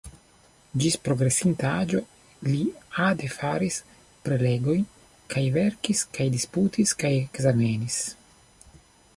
Ĝis progresinta aĝo li ade faris prelegojn kaj verkis kaj disputis kaj ekzamenis.